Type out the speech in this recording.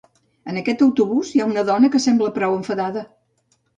En aquest autobús hi ha una dona que sembla prou enfadada.